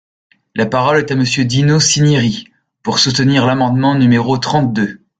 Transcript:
La parole est à Monsieur Dino Cinieri, pour soutenir l’amendement numéro trente-deux.